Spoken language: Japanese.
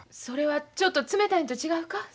それはちょっと冷たいんと違うか？